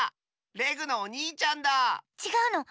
レグのおにいちゃんだ！ちがうの。